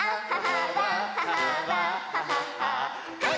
はい！